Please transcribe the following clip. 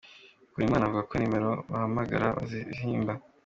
Bikorimana avuga ko nimero bahamagara bazihimba.